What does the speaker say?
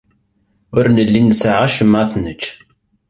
Ur nelli nesɛa acemma ad t-nečč.